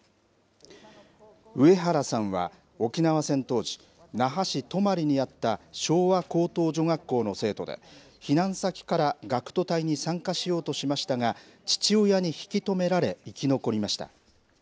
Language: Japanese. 上原さんは沖縄戦当時那覇市泊にあった昭和高等女学校の生徒で避難先から学徒隊に参加しようとしましたが父親に引き止められ生き残りました。